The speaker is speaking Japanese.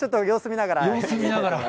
様子見ながら。